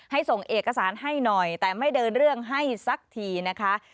ส่งเอกสารให้หน่อยแต่ไม่เดินเรื่องให้สักทีนะคะ